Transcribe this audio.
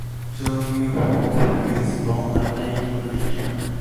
Jorginho is a born-again Christian.